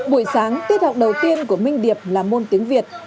buổi sáng tiết học đầu tiên của minh điệp là môn tiếng việt